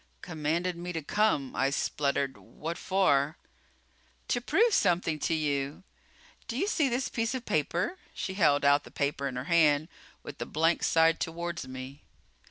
"Commanded me to come!" I spluttered. "What for?" "To prove something to you. Do you see this piece of paper?" She held out the paper in her hand with the blank side toward me.